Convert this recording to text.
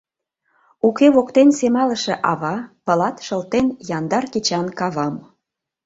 Уке воктен Семалыше ава. Пылат шылтен Яндар кечан кавам.